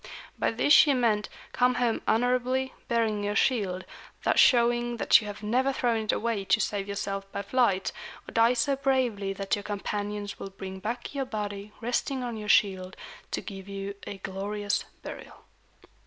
By this she meant "Come home honorably, bearing your shield, thus showing that you have never thrown it away to save yourself by flight; or die so bravely that your companions will bring back your body resting on your shield, to give you a glorious burial."